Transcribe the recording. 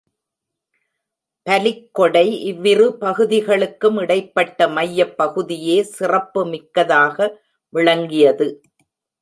பலிக் கொடை இவ்விரு பகுதிகளுக்கும் இடைப்பட்ட மையப் பகுதியே சிறப்பு மிக்கதாக விளங்கியது.